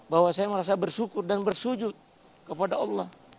bahwa saya merasa bersyukur dan bersyujud kepada allah